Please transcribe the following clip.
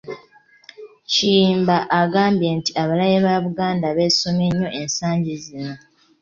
Kiyimba agambye nti abalabe ba Buganda beesomye nnyo ensangi zino.